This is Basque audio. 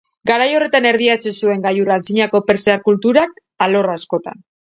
Garai horretan erdietsi zuen gailurra antzinako persiar kulturak alor askotan.